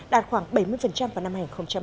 đạt khoảng bảy mươi vào năm hai nghìn hai mươi